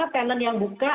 tenant yang buka